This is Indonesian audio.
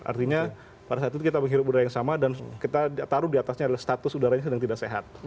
artinya pada saat itu kita menghirup udara yang sama dan kita taruh di atasnya adalah status udaranya sedang tidak sehat